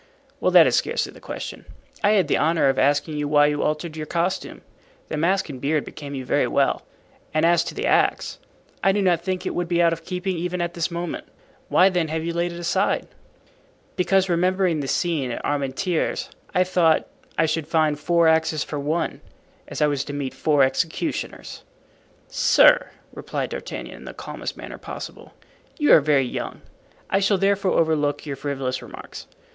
"Well, that is scarcely the question. I had the honor of asking you why you altered your costume. The mask and beard became you very well, and as to the axe, I do not think it would be out of keeping even at this moment. Why, then, have you laid it aside?" "Because, remembering the scene at Armentieres, I thought I should find four axes for one, as I was to meet four executioners." "Sir," replied D'Artagnan, in the calmest manner possible, "you are very young; I shall therefore overlook your frivolous remarks.